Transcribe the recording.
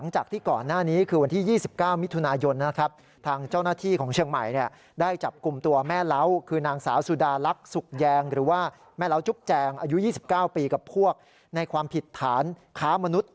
แจงอายุ๒๙ปีกับพวกในความผิดฐานค้ามนุษย์